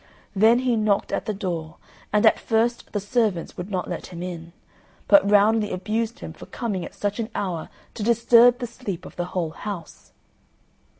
Then he knocked at the door, and at first the servants would not let him in, but roundly abused him for coming at such an hour to disturb the sleep of the whole house.